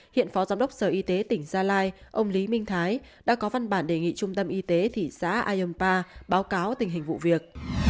hiện phó giám đốc sở y tế tỉnh gia lai ông lý minh thái đã có văn bản đề nghị trung tâm y tế thị xã ayumpa báo cáo tình hình vụ việc